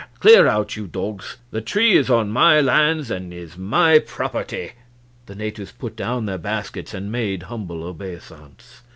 Clear out, you dogs; the tree is on my lands and is my property." The natives put down their baskets and made humble obeisance.